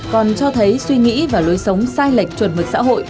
còn cho thấy suy nghĩ và lối sống sai lệch chuẩn mực xã hội